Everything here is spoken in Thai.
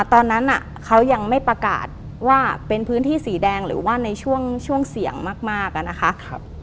ตอนนั้นเขายังไม่ประกาศว่าเป็นพื้นที่สีแดงหรือว่าในช่วงเสี่ยงมากนะคะ